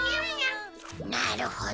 なるほど。